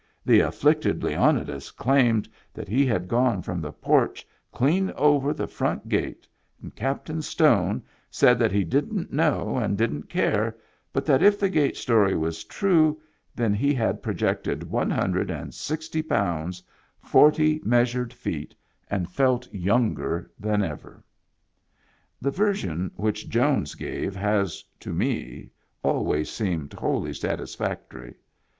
The af flicted Leonidas claimed that he had gone from the porch clean over the front gate, and Cap tain Stone said that he didn't know and didn't care, but that if the gate story was true, then he had projected one Jiundred and sixty pounds forty measured feet and felt younger than ever. The version which Jones gave has (to me) always seemed wholly satisfactory.